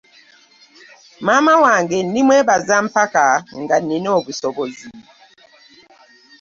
Maama wange ndi mwebaza mpaka nga Nina obusobozi.